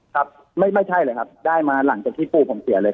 ครับไม่ใช่เลยครับได้มาหลังจากที่ปู่ผมเสียเลย